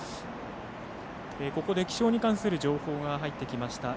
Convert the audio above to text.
ここで気象に関する情報が入ってきました。